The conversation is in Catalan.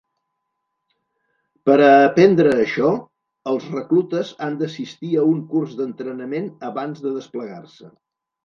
Per a aprendre això, els "reclutes" han d'assistir a un curs d'entrenament abans de desplegar-se.